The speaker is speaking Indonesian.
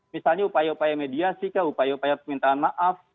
misalnya upaya upaya mediasi kah upaya upaya permintaan maaf